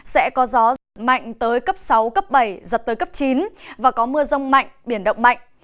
sẽ có gió giật mạnh tới cấp sáu cấp bảy giật tới cấp chín và có mưa rông mạnh biển động mạnh